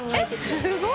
すごい。